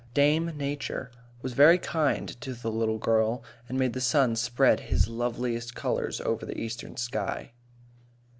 Dame Nature was very kind to the little girl, and made the sun spread his loveliest colours over the eastern sky.